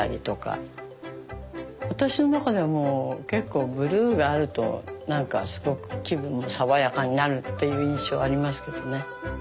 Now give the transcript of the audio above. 私の中では結構ブルーがあるとなんかすごく気分が爽やかになるっていう印象ありますけどね。